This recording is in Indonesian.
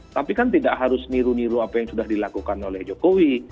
tapi kan tidak harus niru niru apa yang sudah dilakukan oleh jokowi